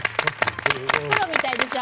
プロみたいでしょ？